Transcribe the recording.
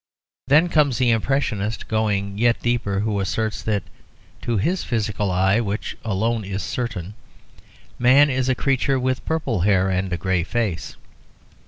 Then comes the Impressionist, going yet deeper, who asserts that to his physical eye, which alone is certain, man is a creature with purple hair and a grey face.